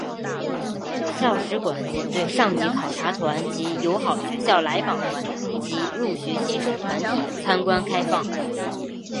校史馆仅对上级考察团及友好学校来访团及入学新生团体参观开放。